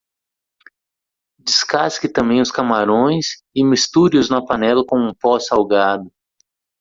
Descasque também os camarões e misture-os na panela com um pó salgado.